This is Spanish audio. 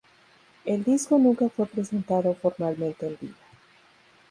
El disco nunca fue presentado formalmente en vivo.